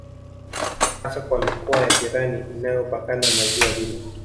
Hasa kwa mikoa ya jirani inayopakana na ziwa hilo